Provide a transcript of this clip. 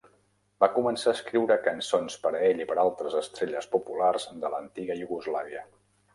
Va començar a escriure cançons per a ell i per a altres estrelles populars de l'antiga Iugoslàvia.